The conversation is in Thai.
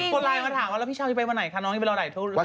คนไลน์มาถามว่าแล้วพี่เช้าจะไปวันไหนคะน้องจะไปรอหลายทุ่ม